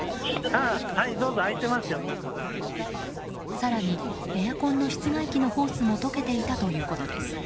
更にエアコンの室外機のホースも溶けていたということです。